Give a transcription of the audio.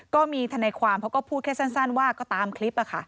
ก็มีทนายความเขาก็พูดแค่สั้นว่าก็ตามคลิป